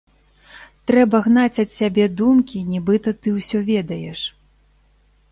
Трэба гнаць ад сябе думкі, нібыта ты ўсё ведаеш.